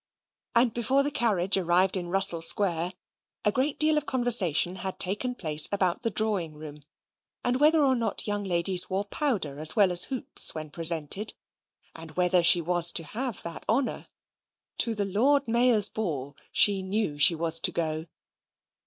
and before the carriage arrived in Russell Square, a great deal of conversation had taken place about the Drawing room, and whether or not young ladies wore powder as well as hoops when presented, and whether she was to have that honour: to the Lord Mayor's ball she knew she was to go.